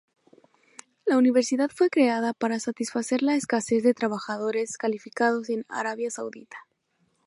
La universidad fue creada para satisfacer la escasez de trabajadores calificados en Arabia Saudita.